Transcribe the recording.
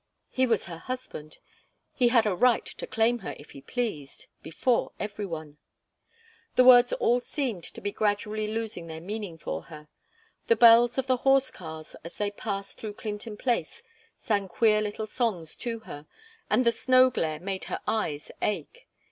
He was her husband. He had a right to claim her if he pleased before every one. The words all seemed to be gradually losing their meaning for her. The bells of the horse cars as they passed through Clinton Place sang queer little songs to her, and the snow glare made her eyes ache.